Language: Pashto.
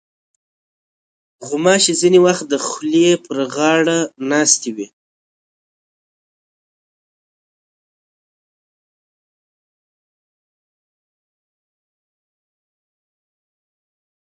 غوماشې ځینې وخت د خولې پر غاړه ناستې وي.